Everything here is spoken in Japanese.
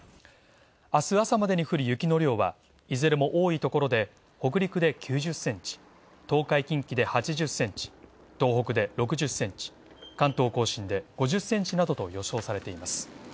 明日朝までに降る雪の量は、いずれも多いところで北陸で９０センチ、東海、近畿で８０センチ、東北で６０センチ、関東甲信で５０センチなどと予想されています。